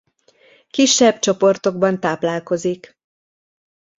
Kisebb csoportban táplálkozik.